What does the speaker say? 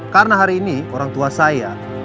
karena hari ini orang tua saya